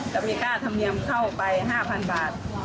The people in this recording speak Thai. จากใช้ธรรมเนี่ยมเข้าไป๕๐๐๐บาท